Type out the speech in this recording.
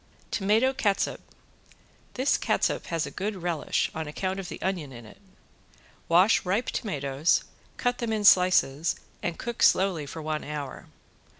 ~TOMATO CATSUP~ This catsup has a good relish on account of the onion in it. Wash ripe tomatoes, cut them in slices and cook slowly for one hour.